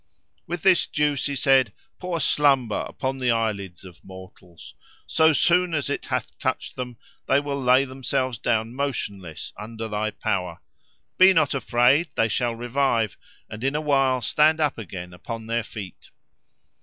'With this juice,' he said, 'pour slumber upon the eyelids of mortals. So soon as it hath touched them they will lay themselves down motionless, under thy power. But be not afraid: they shall revive, and in a while stand up again upon their feet.